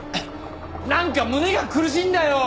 何か胸が苦しいんだよ！